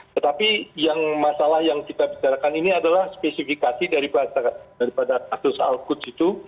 tetapi yang masalah yang kita bicarakan ini adalah spesifikasi daripada kasus al quds itu